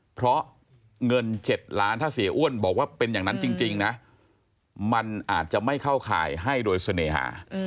เพราะเงิน๗ล้านถ้าเสียอ้วนบอกว่าเป็นอย่างนั้นจริงนะมันอาจจะไม่เข้าข่ายให้โดยเสน่หา